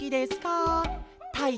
たい